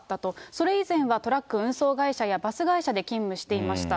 それ以前はトラック運送会社やバス会社で勤務していました。